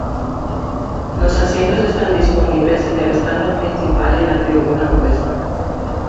Los asientos están disponibles en el stand principal y en la tribuna opuesta.